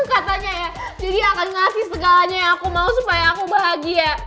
katanya ya jadi akan ngasih segalanya yang aku mau supaya aku bahagia